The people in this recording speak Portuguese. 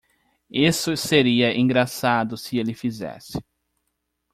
Isso seria engraçado se ele fizesse.